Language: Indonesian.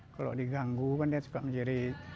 kalau diganggu kan dia suka menjadi